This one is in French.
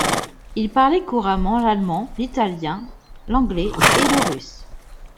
Il parlait couramment l’allemand, l’italien, l’anglais et le russe.